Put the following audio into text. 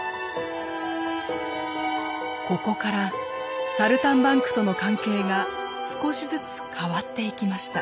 ここから「サルタンバンク」との関係が少しずつ変わっていきました。